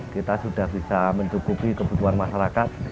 kita sudah bisa mencukupi kebutuhan masyarakat